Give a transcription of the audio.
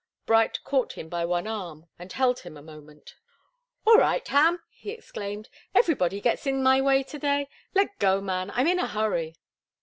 Bright caught him by one arm and held him a moment. "All right, Ham!" he exclaimed. "Everybody gets into my way to day. Let go, man! I'm in a hurry!"